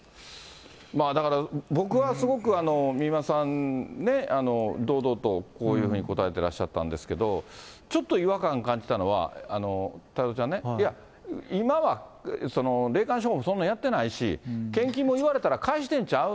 だから、僕はすごく、美馬さんね、堂々とこういうふうに答えてらっしゃったんですけど、ちょっと違和感感じたのは、太蔵ちゃんね、今は霊感商法もそんなやってないし、献金も言われたら返してんちゃう？